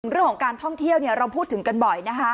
เรื่องของการท่องเที่ยวเราพูดถึงกันบ่อยนะคะ